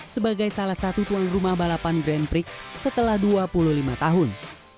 sebagai salah satu tuan rumah balapan grand prix setelah dua puluh lima tahun